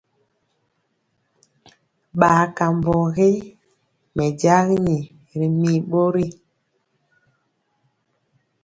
Bar kambɔ ré mɛjagini ri mir bori.